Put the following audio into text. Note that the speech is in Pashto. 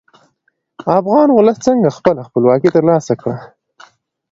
افغان ولس څنګه خپله خپلواکي تر لاسه کړه؟